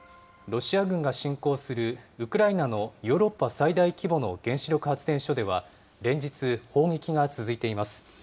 ロシア軍が侵攻するウクライナのヨーロッパ最大規模の原子力発電所では、連日、砲撃が続いています。